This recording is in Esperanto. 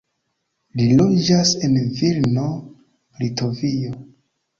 Li loĝas en Vilno, Litovio.